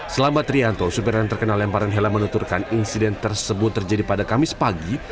selama trianto supir yang terkenal lemparan helm menuturkan insiden tersebut terjadi pada kamis pagi